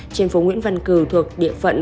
trên phố nguyễn văn cử thuộc địa phận